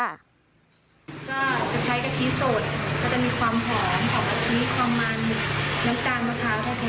ก็จะใช้กะทิสดก็จะมีความหอมของกะทิความมัน